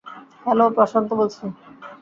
Hello, Prashant বলছি।